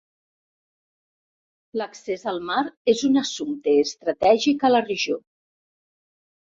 L'accés al mar és un assumpte estratègic a la regió.